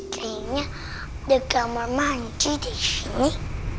kayaknya ada kamar manji disini